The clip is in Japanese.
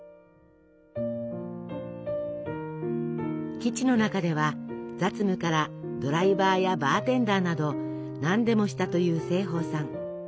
基地の中では雑務からドライバーやバーテンダーなど何でもしたという盛保さん。